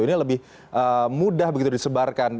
ini lebih mudah begitu disebarkan